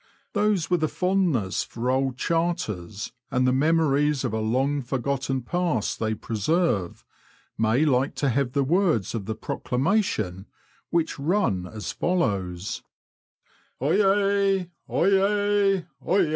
Those with a fondness for old charters, and the memories of a long forgotten past they preserve, may like to have the words of the proclamation, which run as follows :—Oyez I Otez I Oyez !